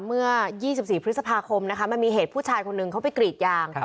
เมื่อ๒๔พฤษภาคมนะคะมันมีเหตุผู้ชายคนหนึ่งเขาไปกรีดยาง